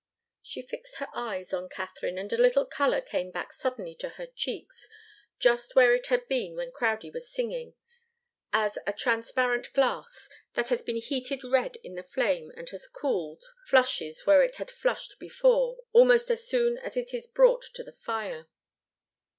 She fixed her eyes on Katharine, and a little colour came back suddenly to her cheeks, just where it had been while Crowdie was singing as a transparent glass, that has been heated red in the flame and has cooled, flushes where it had flushed before, almost as soon as it is brought to the fire.